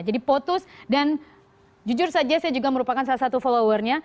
jadi potus dan jujur saja saya juga merupakan salah satu followernya